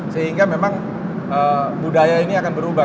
sehingga memang budaya ini akan berubah